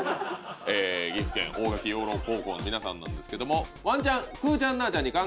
岐阜県大垣養老高校の皆さんなんですけどもワンちゃん。